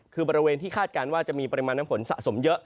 คือบริเวณที่คาดการณ์ว่าจะมีปริมาณน้ำฝนสะสมเยอะ